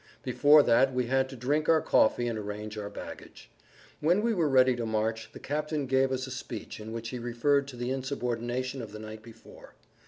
Before that we had to drink our coffee and arrange our baggage. When we were ready to march the captain gave us a speech in which he referred to the insubordination of the night before.